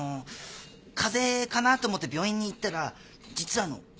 風邪かなと思って病院に行ったら実はあの盲腸でですね。